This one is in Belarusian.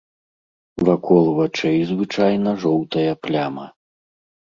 Вакол вачэй звычайна жоўтая пляма.